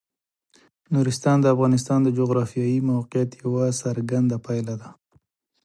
نورستان د افغانستان د جغرافیایي موقیعت یوه څرګنده پایله ده.